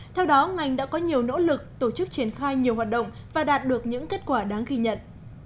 theo đó ngành đã có nhiều nỗ lực tổ chức triển khai nhiều hoạt động và đạt được những kết quả đáng ghi nhận